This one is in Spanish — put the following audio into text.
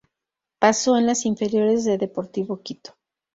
Pasó en las inferiores de Deportivo Quito.